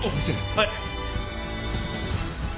はい。